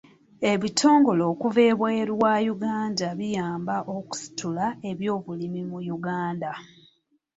Ebitongole okuva ebweru wa Uganda biyamba okusitula ebyobulimi mu Uganda.